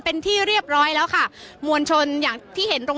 เป็นที่เรียบร้อยแล้วค่ะมวลชนอย่างที่เห็นตรง